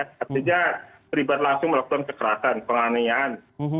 ternyata pribadi langsung melakukan kekerasan penganian